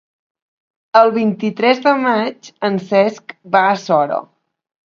El vint-i-tres de maig en Cesc va a Sora.